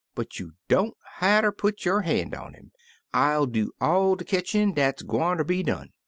But you don't hatter put yo' han' on 'im; I'll do all de ketchin' dat's gwineter be done.